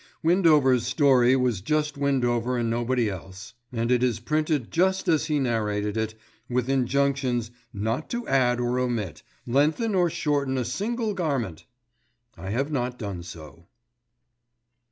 Windover's story was just Windover and nobody else, and it is printed just as he narrated it, with injunctions "not to add or omit, lengthen or shorten a single garment." I have not done so.